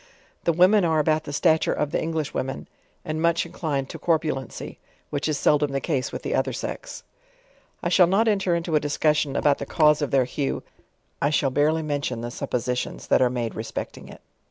The women are about the stature of the English . women, and much inclined, to corpulency, which is seldom the case with the other se.#. I shall not enter into 9., discussion 2/jbout the cause of their LEWIS AND CLARKE. 41 hue. 1 shall barely mention the suppositions that are made respecting it.